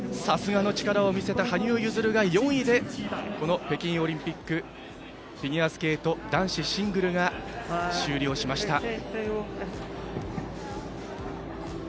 さすがの力を見せた羽生結弦が４位で、この北京オリンピックフィギュアスケート男子シングル終了しました。